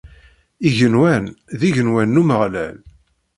Igenwan, d igenwan n Umeɣlal.